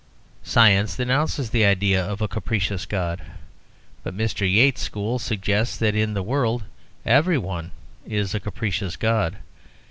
Science denounces the idea of a capricious God; but Mr. Yeats's school suggests that in that world every one is a capricious god.